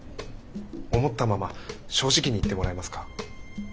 思ったまま正直に言ってもらえますか。